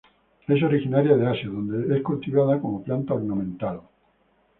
Es originaria de Asia, donde es cultivada como planta ornamental.